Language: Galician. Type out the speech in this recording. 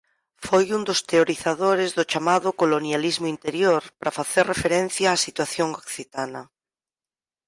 Foi un dos teorizadores do chamado "colonialismo interior" para facer referencia á situación occitana.